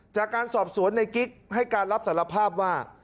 จากการสอบสวนในกิ๊กให้การรับสารภาพว่า